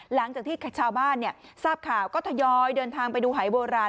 หลังจากที่ชาวบ้านทราบข่าวก็ทยอยเดินทางไปดูหายโบราณ